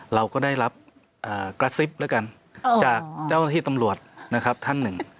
เราก็ได้รับกระซิบแล้วกันจากเจ้าหน้าที่ตำรวจนะครับท่านหนึ่ง